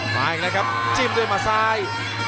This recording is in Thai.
มาอีกแล้วครับจิ้มด้วยมาซ้าย